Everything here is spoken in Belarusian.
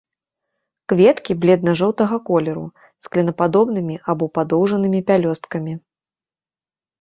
Кветкі бледна-жоўтага колеру, з клінападобнымі або падоўжанымі пялёсткамі.